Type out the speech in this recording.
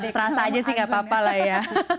serasa aja sih tidak apa apa lah ya